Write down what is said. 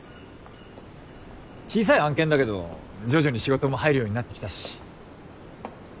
小さい案件だけど徐々に仕事も入るようになってきたし。